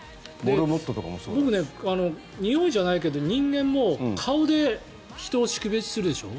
僕、においじゃないけど人間も顔で人を識別するでしょ。